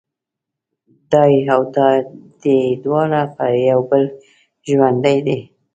دای او دادۍ دواړه پر یو بل ژوندي دي.